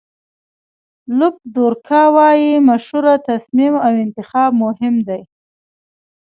لوپ دورکا وایي مشوره، تصمیم او انتخاب مهم دي.